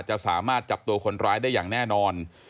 จะสามารถจับตัวคนร้ายได้อย่างแน่นอน